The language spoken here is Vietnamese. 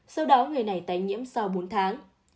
sau đó người này tái nhiễm sau bốn tháng